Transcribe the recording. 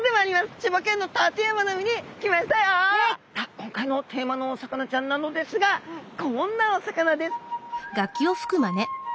今回のテーマのお魚ちゃんなのですがこんなお魚です。